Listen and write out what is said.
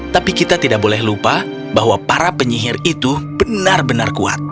tapi kita tidak boleh lupa bahwa para penyihir itu benar benar kuat